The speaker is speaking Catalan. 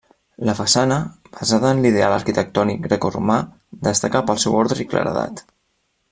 La façana, basada en l'ideal arquitectònic grecoromà, destaca pel seu ordre i claredat.